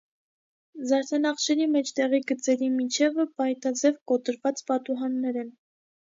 Զարդանախշերի մեջտեղի գծերի միջևը պայտաձև կոտրված պատուհաններ են։